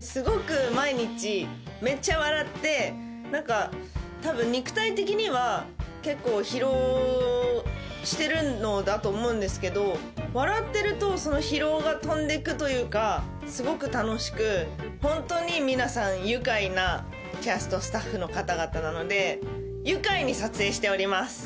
すごく毎日めっちゃ笑って何かたぶん肉体的には結構疲労してるのだと思うんですけど笑ってるとその疲労が飛んでくというかすごく楽しくホントに皆さん愉快なキャストスタッフの方々なので愉快に撮影しております。